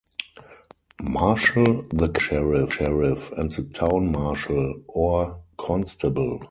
Marshal, the county sheriff, and the town marshal or constable.